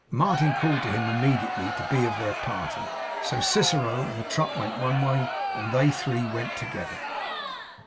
Martin called to him immediately to be of their party; so Cicero and the truck went one way, and they three went another.